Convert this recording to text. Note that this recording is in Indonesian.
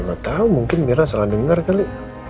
gak tau mungkin mirna salah dengar kali